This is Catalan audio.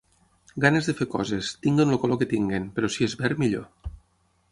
Ganes de fer coses, tinguin el color que tinguin, però si és verd millor.